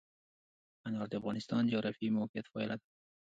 انار د افغانستان د جغرافیایي موقیعت پایله ده.